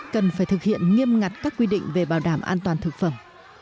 cần phải thực hiện nghiêm ngặt các quy định về bảo đảm an toàn thực phẩm